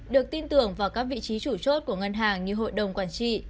được tin tưởng vào các vị trí chủ chốt của ngân hàng như hội đồng quản trị